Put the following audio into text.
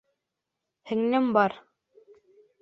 Һеңлем, бар.